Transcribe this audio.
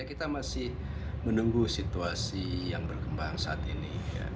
kita masih menunggu situasi yang berkembang saat ini